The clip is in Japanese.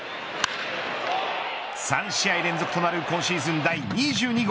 ３試合連続となる今シーズン第２２号。